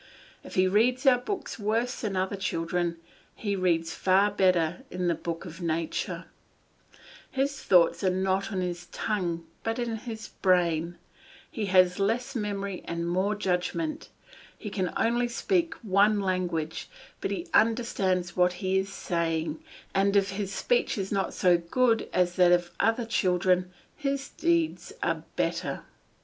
If he reads our books worse than other children, he reads far better in the book of nature; his thoughts are not in his tongue but in his brain; he has less memory and more judgment; he can only speak one language, but he understands what he is saying, and if his speech is not so good as that of other children his deeds are better.